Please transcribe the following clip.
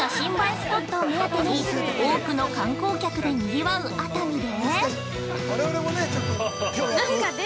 スポットを目当てに多くの観光客でにぎわう熱海で◆